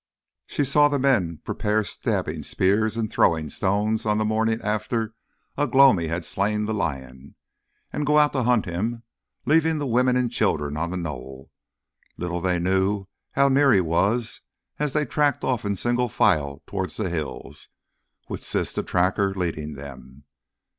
She saw the men prepare stabbing spears and throwing stones on the morning after Ugh lomi had slain the lion, and go out to hunt him, leaving the women and children on the knoll. Little they knew how near he was as they tracked off in single file towards the hills, with Siss the Tracker leading them.